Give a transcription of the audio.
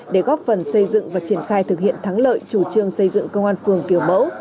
để góp phần xây dựng và triển khai thực hiện thắng lợi chủ trương xây dựng công an phường kiểu mẫu